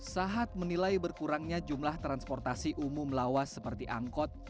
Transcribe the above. sahat menilai berkurangnya jumlah transportasi umum lawas seperti angkot